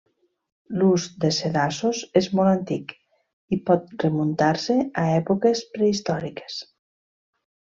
L’ús de sedassos és molt antic i pot remuntar-se a èpoques prehistòriques.